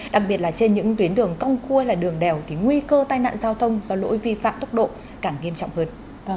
đặc biệt là trên những tuyến đường cong cua là đường đèo thì nguy cơ tai nạn giao thông do lỗi vi phạm tốc độ càng nghiêm trọng hơn